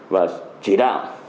và chỉ đạo